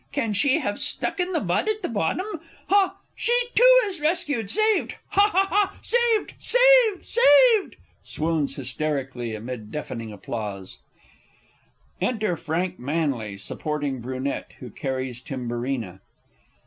Can she have stuck in the mud at the bottom? Ha, she, too, is rescued saved ha ha ha! saved, saved, saved! [Swoons hysterically amid deafening applause. [Illustration: "Saved ha ha ha!"] Enter FRANK MANLY supporting BRUNETTE, who carries TIMBURINA.